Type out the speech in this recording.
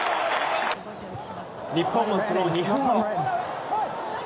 日本もその２分後。